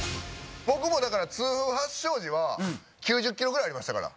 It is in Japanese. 僕もだから痛風発症時は９０キロぐらいありましたから。